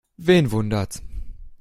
Wen wundert's?